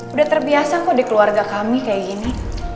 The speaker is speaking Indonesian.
udah terbiasa kok di keluarga kami kayak gini